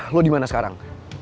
lo dimana sekarang